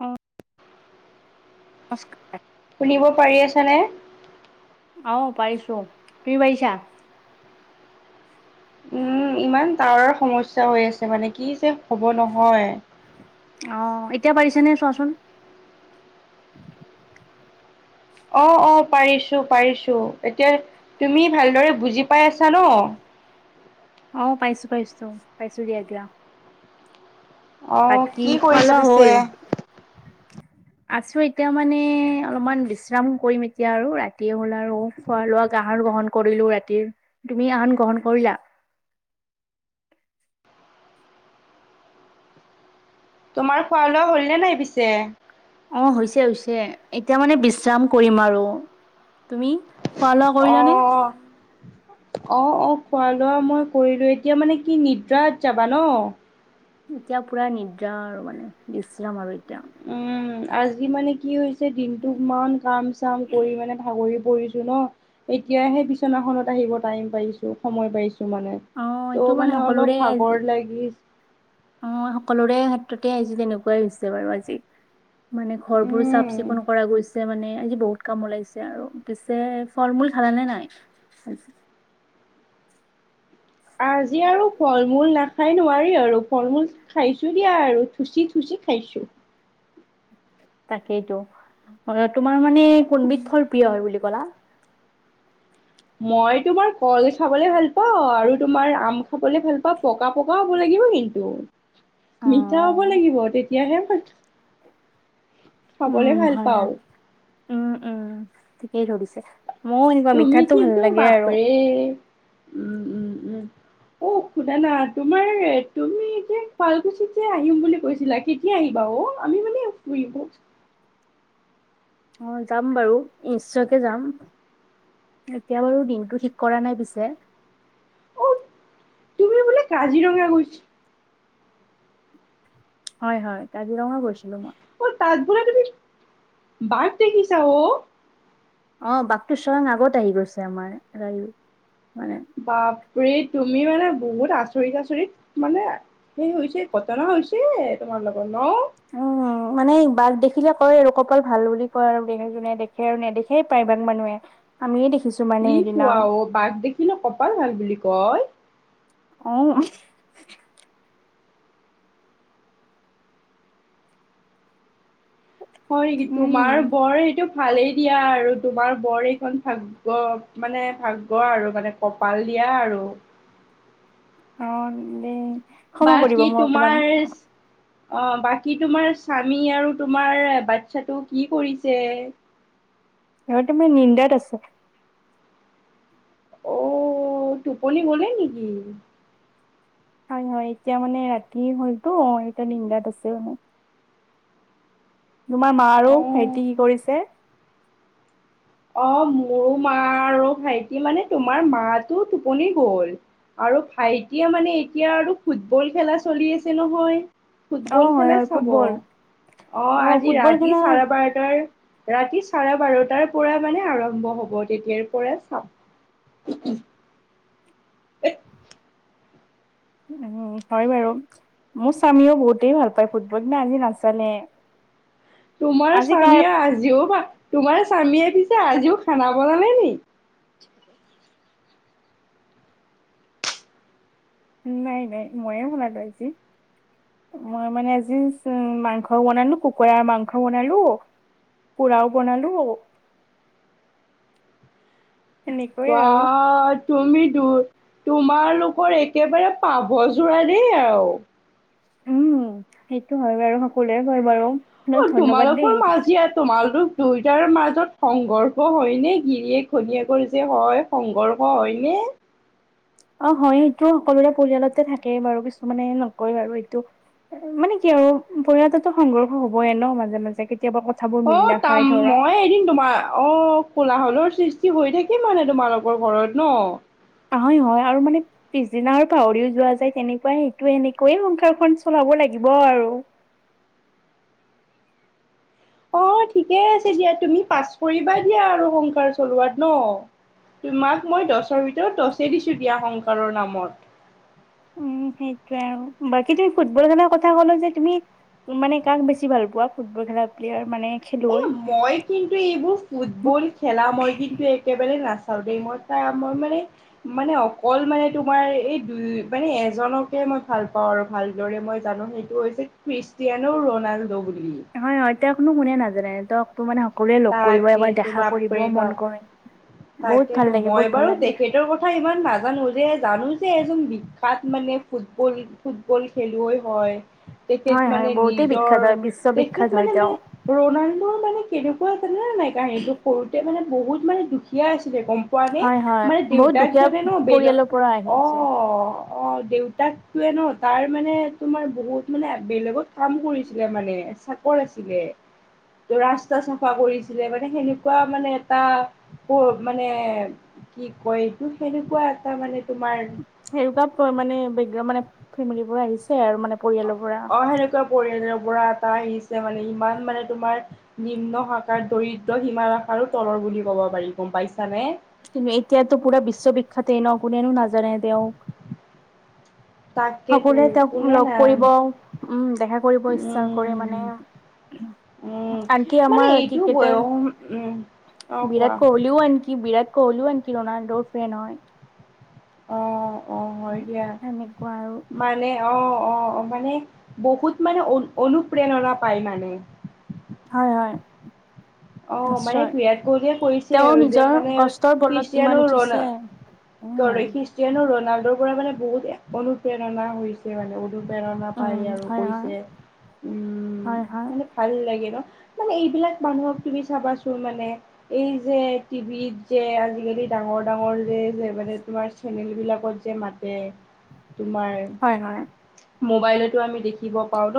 অ নমস্কাৰ শুনিব পাৰি আছানে? অহ পাৰিছো তুই পাৰিছা? উম ইমান টাৱাৰৰ সমস্যা হৈ আছে মানে কি যে হব নহয় অ এতিয়া পাৰিছেনে চোৱাচোন অ অ পাৰিছো পাৰিছো এতিয়া তুমি ভালদৰে বুজি পাই আছা ন অ পাইছো পাইছো পাইছো দিয়া এতিয়া অ', বাকী কি কৰিছা খোৱা-লোৱা পিছে? হ'ল? আছো এতিয়া মানে অলপমান বিশ্ৰাম কৰিম এতিয়া আৰু ৰাতিয়ে হ'ল আৰু খোৱা লোৱা আহৰ গ্ৰহণ কৰিলো ৰাতিৰ, তুমি আহন গ্ৰহণ কৰিলা? তোমাৰ খোৱা লোৱা হ'লনে নাই পিছে? অ হৈছে হৈছে এতিয়া মানে বিশ্ৰাম কৰিম আৰু, তুমি? খোৱা লোৱা কৰিলা নে? অ', অ অ খোৱা লোৱা মই কৰিলো, এতিয়া মানে কি নিদ্ৰাত যাবা ন? এতিয়া পুৰা নিদ্ৰা আৰু মানে বিশ্ৰাম আৰু এতিয়া। উম, আজি মানে কি হৈছে দিনটো ইমান কাম চাম কৰি মানে ভাগৰি - পৰিছো ন, এতিয়া সেই বিচনাখনত আহিব টাইম পাইছো সময় পাইছো মানে। অ এইটো ত' মানে সকলোৰে অলপ ভাগৰ লাগি - অ সকলোৰে ক্ষেত্ৰতে আজি তেনেকুৱাই হৈছে বাৰু আজি। মানে ঘৰ বোৰ চাফ উম, চিকুণ কৰা গৈছে মানে আজি বহুত কাম ওলাইছে আৰু। পিছে ফল মূল খালানে নাই? আজি আৰু ফল মূল না- খাই নোৱাৰি আৰু ফল মূল খাইছোঁ দিয়া আৰু থুচি থুচি খাইছোঁ। তাকেইতো, তোমাৰ মানে কোনবিধ ফল প্ৰিয় হয় বুলি ক'লা? মই তোমাৰ কল খাবলে ভাল পাওঁ আৰু তোমাৰ আম খাবলে ভাল পাওঁ, প- কা পকা হ'ব লাগিব কিন্তু, মিঠা হ'ব অ', লাগিব তেতিয়াহে ভা- খাবলে উম ভাল হয় হয় পাওঁ। উম উম ঠিকেই ধৰিছে, মইয়ো এনেকুৱা মিঠাটো ভাল লাগে আৰু। এই - উম উম উম। অ শুনানা, তোমাৰ এ তুমি এতিয়া শুৱালকুছিত যে আহিম বুলি কৈছিলা কে - তিয়া আহিবা অ আমি মানে অ যাম বাৰু, নিশ্চয়কে যাম। এতিয়া বাৰু দিনটো ঠিক কৰা নাই পিছে - অ, তুমি বোলে কাজিৰঙা গৈছা - হয় হয়, কাজিৰঙা গৈছিলো মই। অ, তাত বোলে তুমি বাঘ দেখিছা অ! অ বাকটো স্বয়ং আগত আহি গৈছে আমাৰ গাড়ীৰ মানে। বাপৰে তুমি মানে বহুত আচৰিত আচৰিত মানে - সেই হৈছে ঘটনা হৈছে তোমাৰ লগত ন? অ। মানে বাঘ দেখিলে কয় আৰু কপাল ভাল বুলি কয় আৰু দে যোনে দেখে আৰু নেদেখেই প্ৰায় ভাগ মানুহে। আমিয়েই দেখিছো। মানে কি সেইদিনা কোৱা অ বাঘ দেখিলো কপাল ভাল বুলি কয়? অ। হয় নেকি উম তোমাৰ বৰ সেইটো ভালেই দিয়া আৰু তোমাৰ বৰ এইখন ভা- গ্য মানে ভাগ্য আৰু মানে কপাল দিয়া আৰু। অ দেই ক্ষমা কৰিব বাকী মোৰ অকমান তোমাৰ - অ বাকী তোমাৰ স্বামী আৰু তোমাৰ বাচ্ছাটো কি কৰিছে? ইহঁতে মানে নিন্দাত আছে। অ টোপনি গলে নেকি? হয় হয় এতিয়া মানে ৰাতি হলতো এতিয়া নিদ্ৰাত আছে মানে। তোমাৰ মা আৰু অ ভাইতি কি অ কৰিছে? অ মোৰো মা আৰু ভাইটি মানে তোমাৰ মাটো টোপনি গল। আৰু ভাইটিয়ে মানে এতিয়া আৰু ফুটবল খেলা চলি আছে নহয়। অ ফুটবল হয় খেলে হয় চাব। ফুটবল অ' অ আজি ফুটবল ৰাতি খেলা চাৰে বাৰটাৰ ৰাতি চাৰে বাৰটাৰ পৰা মানে আৰম্ভ হ'ব তেতিয়াৰ পৰা চাম [inaudible] উ, হয় বাৰু। মোৰ স্বামীয়েও বহুতেই ভাল পায় ফুটবল কিন্তু আজি নাচালে। তোমাৰ আজি কাৰ স্বামীয়ে আজিও বা তোমাৰ স্বামীয়ে পিছে আজিও খানা বনালে নি? নাই নাই, ময়ে বনালোঁ আজি। মই মানে আজি উম, মাংস বনালোঁ, কুকুৰাৰ মাংস বনালোঁ পোৰাও বনালোঁ এনেকৈয়ে আৰু [unintelligible] তুমি দু তোমালোকৰ একেবাৰে পাভ যোৰা দেই আৰু। উম, সেইটো হয় বাৰু, সকলোৱে কয় বাৰু। আপোনাক অ' ধন্যবাদ দেই তোমালোকৰ মাজিয়া তোমালটো দুয়োটাৰ মাজত সংঘৰ্ষ হয়নে, গিৰিয়েক ঘনীয়েকৰ যে হয়, সংঘৰ্ষ হয়নে? অ' হয় সেইটো সকলোৰে পৰিয়ালতে থাকেই বাৰু। কিছুমানে নকয় বাৰু এইটো। মানে কি আৰু পৰিয়ালটোতো সংঘৰ্ষ হবয়ে ন' মাজে মাজে কেতিয়াবা কথাবোৰ মিল অ' নাখায় তাম ধৰা মই এদিন তোমাৰ, অ'। কোলাহলৰ সৃষ্টি হৈ থাকে মানে তোমালোকৰ ঘৰত ন'? হয় হয় আৰু মানে পিছদিনা আৰু পাহৰিও যোৱা যায় তেনেকুৱা সেইটো। এনেকৈয়ে সংসাৰখন চলাব লাগিব আৰু। অ' ঠিকে আছে দিয়া, তুমি পাছ কৰিবা দিয়া আৰু সংসাৰ চলোৱাত ন'? তোমাক মই দছৰ ভিতৰত দছে দিছোঁ দিয়া সংসাৰৰ নামত। উম সেইটোয়ে আৰু। বাকী তুমি ফুটবল খেলাৰ কথা ক'লা যে তুমি মানে কাক বেছি ভাল পোৱা ফুটবল খেলা প্লেয়াৰ মানে এ খেলুৱৈ? মই কিন্তু এইবোৰ ফুটবল খেলা মই কিন্তু একেবাৰে নাচাওঁ দেই। মই [unintelligible] মানে মানে অকল মানে তোমাৰ এই দুই মানে এজনকে মই ভাল পাওঁ আৰু ভালদৰে, মই জানো সেই টো হৈছে ক্ৰিষ্টিয়ানো ৰ'নাল্ডো বুলি। হয়, হয়, তেওঁক হেনো কোনে নাজানে তেওঁক তো মানে সকলোৱে লগ কৰিব, এবাৰ তাকেতো দেখা কৰিব বাপৰে মন বাপ কৰে। বহুত ভাল লাগে, বহুত ভাল লাগে। তেওঁৰ কথা ইমান নাজানো, যে জানো যে এজন বিখ্যাত মানে ফুটবল ফুটবল খেলুৱৈ হয়। তেখেত হয় হয় মানে বহুতেই নিজৰ, বিখ্যাত হয় তেখেত বিশ্ববিখ্যাত হয় মানে তেওঁ মানে ৰ'নাল্ডোৰ মানে কেনে জানানে নাই কাহীনিটো, সৰুতে মানে বহুত মানে দুখীয়া আছিলে গম পোৱানে? হয় হয় মানে বহুত দেউতাক দুখীয়া জনে ন' বেলগ, পৰিয়ালৰ পৰা অ' আহিছে অ' দেউতাকটোয়ে ন' তাৰ মানে তোমাৰ বহুত মানে বেলেগত কাম কৰিছিলে মানে। কৰ আছিলে। ত' ৰাস্তা চ খোৱা কৰিছিলে মানে সেনেকুৱা মানে এটা ক মানে কি কয় এইটো, সেনেকুৱা এটা মানে তোমাৰ সেনেকোৱা প মানে, বেগ মানে ফেমিলিবোৰ আহিছে আৰু মানে। পৰিয়ালৰ পৰা অ', সেনেকুৱা পৰিয়ালৰ পৰা এটা আহিছে মানে ইমান মানে তোমাৰ নিম্ন শাখাৰ, দৰিদ্ৰ সীমা ৰেখাৰো তলৰ বুলি ক'ব পাৰি গম পাইছানে? কিন্তু এতিয়াতো পুৰা বিশ্ববিখ্যতে ন' কোনেনো নাজানে তেওঁক। তাকেতো সকলোৱে তেওঁক কোনে লগ না কৰিব উম, দেখা কৰিব ইচ্ছা কৰে উম মানে। উম আনকি মানে আমাৰ এইটো ক্ৰিকেটাৰ বয়স উম অ কোৱা বিৰাট কোহলিও আনকি বিৰাট কোহলিও আনকি ৰনাল্ডো ফেন হয়। অ অ হয় দিয়া সেনেকুৱা আৰু মানে অ অ মানে বহুত মানে অনু অনুপ্ৰেৰণা পায় মানে। হয়, হয়। অ' মানে নিশ্চয় বিৰাট কোহলীয়ে কৈছে তেওঁ আৰু যে নিজৰ মানে কষ্টৰ বলত ইমান খ্ৰীষ্টিয়ানো ৰণা উঠিছে উম কৰে খ্ৰীষ্টিয়ানো ৰনাল্ডৰ পৰা মানে বহুত অনুপ্ৰেৰণা হৈছে মানে। অনুপ্ৰেৰণা উম পায় আৰু হয় হয় কৈছে উম হয় হয় ভাল লাগে ন মানে এইবিলাক মানুহক তুমি চাবাচোন মানে এই যে টিভিত যে আজিকালি ডাঙৰ ডাঙৰ যে যে মানে তোমাৰ চেনেল বিলাকত যে মাত মাতে তোমাৰ হয়, হয়। মোবাইলতো আমি দেখিব পাওঁ ন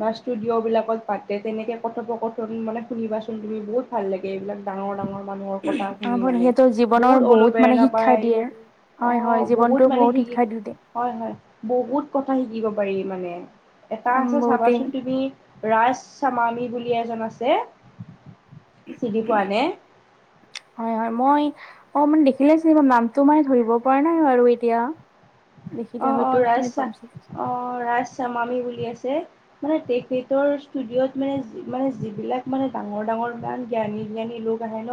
বা ষ্টুডিঅ বিলাকত পাতে তেনেকে কথোপকথন মানে শুনিবাচোন তুমি বহুত ভাল লাগে এইবিলাক। ডাঙৰ ডাঙৰ মানুহৰ কথা শুনি আমাৰ মানে সিহঁতৰ জীৱনৰ বহুত মানে অনুপ্ৰেৰণা শিক্ষা পায়। দিয়ে অ হয় হয় জীৱনটোও মানে বহুত শিকি শিক্ষা দিওঁ দে হয়, হয়, বহুত কথা শিকিব পাৰি মানে এটা উম আছে বহুতেই চাবাচোন তুমি ৰাজ চামামি বুলি এজন আছে। চিনি পোৱা নে? হয় হয় মই অ মানে দেখিলেহে চিনি পাম নামটো মানে ধৰিব পৰা নাই বাৰু এতিয়া। অ দেখিলে অ হয়তো ৰাজ চিনি শা পাম চাগে। অ ৰাজ চামামি বুলি আছে। মানে তেখেতৰ ষ্টুডিঅ'ত মানে মানে যিবিলাক মানে ডাঙৰ ডাঙৰ ইমান জ্ঞানী জ্ঞানী লোক লোক আহে ন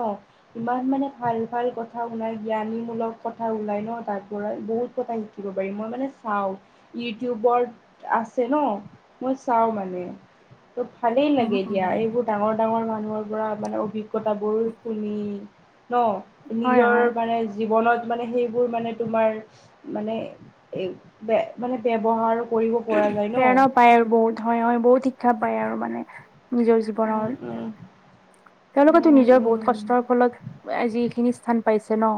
ইমান মানে ভাল ভাল কথা শুনাই জ্ঞানীমূলক কথা ওলাই ন তাৰ পৰা বহুত কথা শিকি শিকিব পাৰি মই মানে চাওঁ ইউটোউবত আছে ন মই চাও মানে ত ভালেই উম, লাগে উম, দিয়া এইবোৰ ডাঙৰ ডাঙৰ মানুহৰ পৰা মানে অভিজ্ঞতাবোৰ শুনি ন হয়, নিজৰ হয়, মানে জীৱনত মানে সেইবোৰ মানে তোমাৰ মানে এই বে মানে ব্যৱহাৰ কৰিব পৰা যায় ন প্ৰেৰণা পায় আৰু বহুত হয় হয় বহুত শিক্ষা পায় আৰু মানে নিজৰ জীৱন উম জীৱনৰ উম তেওঁলোকেতো উম নিজৰ বহুত উম কষ্টৰ ফলত আজি এইখিনি স্থান পাইছে ন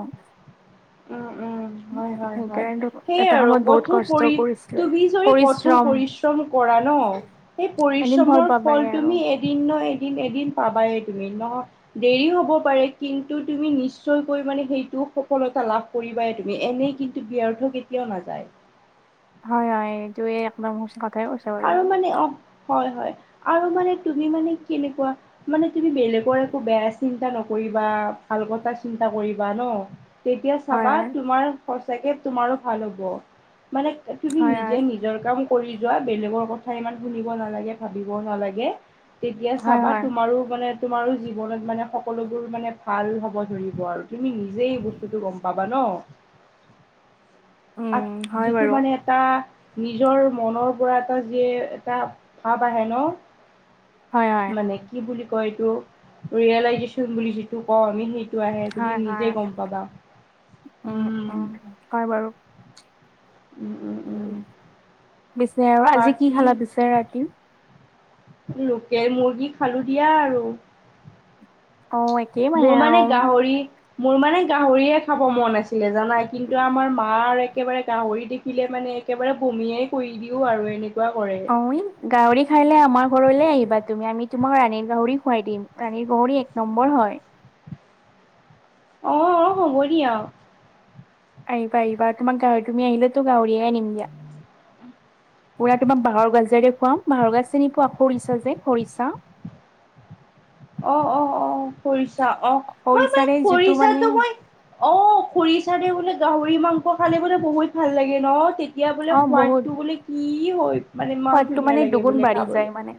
উম উম হয় হয় হয় সেইকাৰণে সেইয়াই এটা আৰু সময়ত বহুত কঠোৰ কষ্ট পৰি কৰিছিলে। তুমি এই কঠোৰ পৰিশ্ৰম পৰিশ্ৰম কৰা ন সেই এদিন পৰিশ্ৰমৰ ফল পাবাই আৰু। তুমিয়ে এদিন নহয় এদিন এদিন পাবাই তুমি নহয় দেৰি হ'ব পাৰে কিন্তু তুমি নিশ্চয়কৈ মানে সেইটো সফলত সফলতা লাভ কৰিবাই তুমি এনেই কিন্তু ব্যৰ্থ কেতিয়াও নাযায়। হয় হয় এইটো এ একদম সচাঁ কথাই কৈছে। আৰু মানে অ হয় হয় আৰু মানে তুমি মানে কেনেকুৱা মানে তুমি বেলেগৰ একো বেয়া চিন্তা নকৰিবা ভাল কথা চিন্তা কৰিবা ন তেতিয়া হয়, চাবা হয়, তোমাৰ সচাকে তোমাৰো ভাল হব মানে তুমি হয়, নিজে হয়, নি নিজৰ কাম কৰি যোৱা বেলেগৰ কথা ইমান শুনিব নালাগে ভাবিব নালাগে। তেতিয়া হয়, চাবা হয়, তোমাৰো মানে তোমাৰো জীৱনত মানে সকলোবোৰ মানে ভাল হ'ব ধৰিব আৰু। তুমি নিজেই এই বস্তুটো গম পাবা ন আত উম, হয় যিটো বাৰু। মানে এটা নিজৰ মনৰ পৰা এটা যিয়ে এটা ভাৱ আহে ন। হয়, হয়, মানে কি বুলি কয় এইটো, ৰিয়েলাইজেচন বুলি যিটো কওঁ আমি সেই সেইটো আহে তুমি হয়, নিজে হয়, গম পাবা, উম'। হয় বাৰু। উম' উম' উম পিছে আৰু আজি কি বাকী খালা পিছে ৰাতি? লোকেল মুৰ্গী খালোঁ দিয়া আৰু। অ একেই মোৰ আৰু মানে গাহৰি মোৰ মানে গাহৰিহে খাব মন আছিলে জানাই, কিন্তু আমাৰ মাৰ একেবাৰে গাহৰি দেখি দেখিলে মানে একেবাৰে বমিয়েই কৰি দিওঁ আৰু এনেকুৱা কৰে। হয়, গাহৰি খাইলে আমাৰ ঘৰলে আহিবা তুমি, আমি তোমাক ৰাণীৰ গাহৰি খুৱাই দিম। ৰাণীৰ গাহৰি এক নম্বৰ হয়। অ' অ' হ'ব দিয়া। আহিবা-আহিবা, তোমাক গাহৰি তুমি আহিলে তো গাাহৰিয়ে আনিম দিয়া। পুৰা তোমাক বাঁহৰ গাজাৰে খুৱাম, বাঁহৰ গাজ চিনি পোৱা খৰিচা যে খৰিচা। [inaudible] অ' অ' অ' খৰিছা অ' মই মানে খৰিচাৰে যিটো মানে খৰিছাটো মই অ' খৰিচাৰে বোলে গাহৰি মাংস খালে বোলে বহুত ভাল লাগে ন। তেতিয়া বোলে অ বহুত সোৱাদটো বোলে কি হয় মানে ইমান সোৱাদটো ধুনীয়া মানে লাগে দুগুণ বোলে বাঢ়ি খাবলৈ যায় মানে।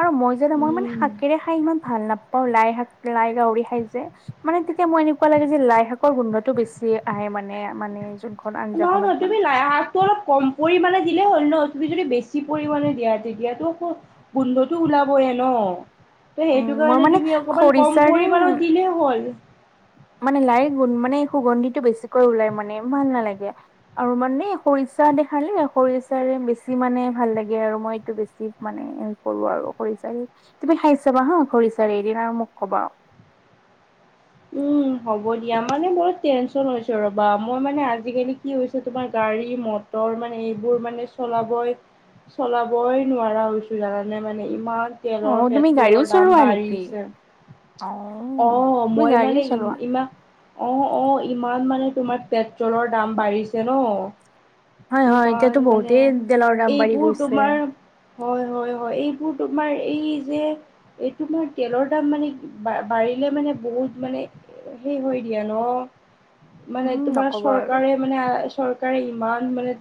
আৰু মই জানা মই মানে উম শাকেৰে খাই ইমান ভাল নাপাওঁ। লাই শাক, লাই গাহৰি খাই যে। মানে তেতিয়া মই এনেকুৱা লাগে যে লাই শাকৰ গোন্ধটো বেছি আহে মানে-মানে যে। নহয়-নহয় তুমি লাই শাক টো অলপ কম পৰিমাণে দিলেই হ'ল ন, তুমি যদি বেছি পৰিমাণে দিয়া তেতিয়াটো গোন্ধটো ওলাবয়ে ন ত উম, সেইটো মোৰ কাৰণে মানে তুমি অকমান কম খৰিচাৰে পৰিমাণত দিলেই হ'ল। হ'ল। মানে লাই গুণ মানে সুগন্ধিতটো বেছিকৈ ওলাই মানে ভাল নালাগে। আৰু মানে খৰিচা দি খালে, খৰিচাৰে বেছি মানে ভাল লাগে আৰু মই এইটো বেছি মানে কৰো আৰু খৰিচাৰে। তুমি খাই চাবা হা খৰিচাৰে এদিন আৰু মোক কবা। উম' হ'ব দিয়া। মানে মোৰ টেনচন হৈছে ৰ'বা মই মানে আজিকালি কি হৈছে তোমাৰ গাড়ী ম টৰ মানে এইবোৰ মানে চলাবই চলাবই নোৱাৰা হৈছোঁ জানানে মানে ইমান তেলৰ অ', তুমি গাড়ীও পেট্ৰলৰ দাম চলোৱা নেকি? বাঢ়িছে। অ', অ'হ তুমি মই গাড়ীও মানে চলোৱা? ইম- ইমান অ' অ' ইমান মানে তোমাৰ পেট্ৰলৰ দাম বাঢ়িছে ন। হয়, হয়, এতিয়াতো ইমান মানে বহুতেই তেলৰ দাম বাঢ়ি এইবোৰ গৈছে। তোমাৰ হয়-হয়-হয় এইবোৰ তোমাৰ এই যে এইটো মই তেলৰ দাম মানে বা বাঢ়িলে মানে বহুত মানে সে হৈ দিয়া ন মানে উম, তোমাৰ নকবা আৰু চৰকাৰে মানে চৰকাৰে ইমান মানে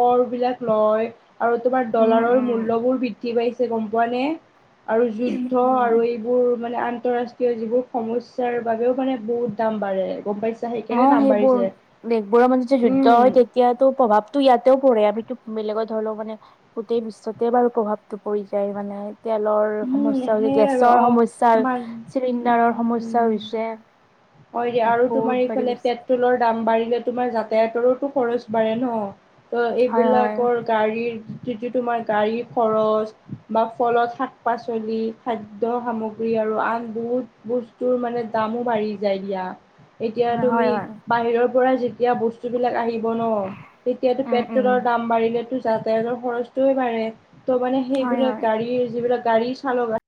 কৰ বিলাক লয়। আৰু তোমাৰ উম, ডলাৰৰ উম, মূল্যবোৰ বৃদ্ধি পাইছে গম পোৱা নে আৰু যুদ্ধ উম। আৰু এই যোৰ মানে আন্তৰাষ্ট্ৰীয় যিবোৰ সমস্যাৰ বাবেও মানে বহুত দাম বাঢ়ে গম পাইছোঁ। অ' সেইবোৰ দেশবোৰৰ মানে যে যুদ্ধ হয় তে উম তেতিয়াতো প্ৰভাৱতো ইয়াতেও পৰে, আমিতো বেলেগত ধৰি লও মানে গোটেই বিশ্বতে বাৰু প্ৰভাৱটো পৰি যায় মানে। তেলৰ উম সমস্যাৰো হৈছে সেই আৰু গেছৰ অ সমস্যাৰ মান চিলিণ্ডাৰৰ সমস্যা উম হৈছে। হয়, দিয়া আৰু বহুত তোমাৰ বাঢ়ি এইফালে পেট গৈছে পেট্ৰলৰ দাম বাঢ়িলে তোমাৰ যাতায়তৰোতো খৰচ বাঢ়ে ন। ত' হয় এইবিলাকৰ হয় গাড়ীৰ যিটো তোমাৰ গাড়ীৰ খৰচ বা ফলত শাক পাচলি খাদ্য সামগ্ৰী আৰু আন বহুত বস্তুৰ মানে দামো বাঢ়ি যায় দিয়া, এতিয়া তুমি হয় হয় বাহিৰৰ পৰা যেতিয়া বস্তুবিলাক আহি ব ন তেতিয়াতো উম উম পেট্ৰলৰ দাম বাঢ়িলেতো যাতায়াতৰ খৰচটোৱে বাঢ়ে। ত' মানে হয় সেইবিলাক হয় গাড়ীৰ যিবিলাক গাড়ী চালক আছ